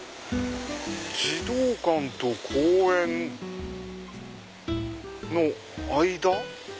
児童館と公園の間？